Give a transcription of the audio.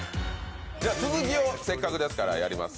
続きを、せっかくですからやります。